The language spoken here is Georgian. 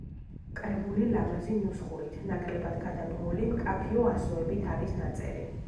კრებული ლამაზი ნუსხურით, ნაკლებად გადაბმული, მკაფიო ასოებით არის ნაწერი.